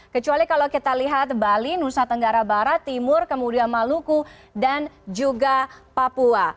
kecuali kalau kita lihat bali nusa tenggara barat timur kemudian maluku dan juga papua